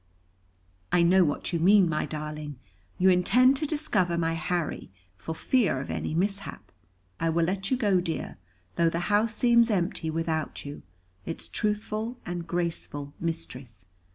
"I know what you mean, my darling. You intend to discover my Harry, for fear of any mishap. I will let you go, dear; though the house seems empty without you, its truthful and graceful mistress.